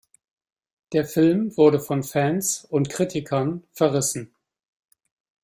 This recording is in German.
Der Film wurde von Fans und Kritikern verrissen.